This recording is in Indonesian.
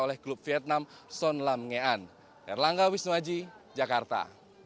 oleh klub vietnam son lam ngean erlangga wisnuaji jakarta